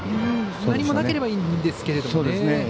何もなければいいんですけどね。